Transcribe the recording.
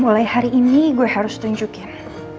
mulai hari ini gue harus tunjukin